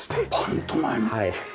はい。